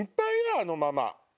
あのママ。